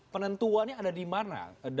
penentuannya ada di mana